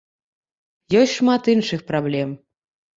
Ёсць шмат іншых праблем.